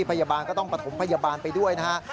พยาบาลก็ต้องประถมพยาบาลไปด้วยนะฮะ